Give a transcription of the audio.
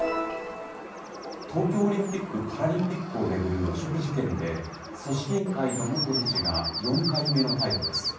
東京オリンピック・パラリンピックを巡る汚職事件で、組織委員会の元理事が４回目の逮捕です。